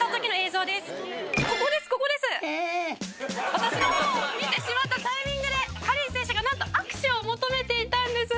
私の方を見てしまったタイミングでカリー選手がなんと握手を求めていたんです。